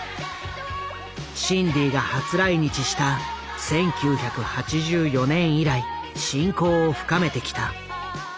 シンディが初来日した１９８４年以来親交を深めてきた。